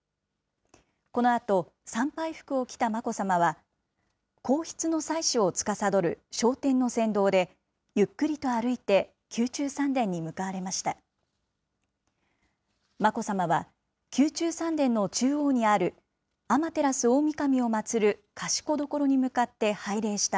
このあと、参拝服を着た眞子さまは、皇室の祭祀をつかさどる掌典の先導で、ゆっくりと歩いて宮中三殿に向かわれました。